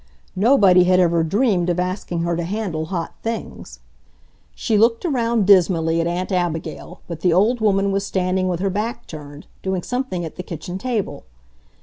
Nobody had ever dreamed of asking her to handle hot things. She looked around dismally at Aunt Abigail, but the old woman was standing with her back turned, doing something at the kitchen table.